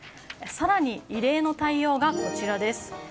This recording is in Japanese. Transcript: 更に、異例の対応がこちらです。